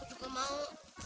aku juga mau